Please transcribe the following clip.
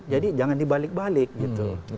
jadi jangan di balik balik gitu